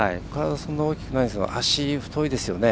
そんなに大きくないですが足、太いですよね。